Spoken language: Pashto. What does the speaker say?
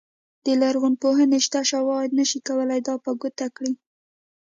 د لرغونپوهنې شته شواهد نه شي کولای دا په ګوته کړي.